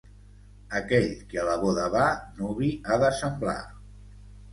Aquell que a la boda va, nuvi ha de semblar.